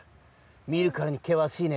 みるからにけわしいね。